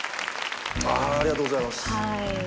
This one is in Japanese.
ありがとうございます。